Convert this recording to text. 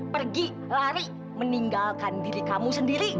pergi lari meninggalkan diri kamu sendiri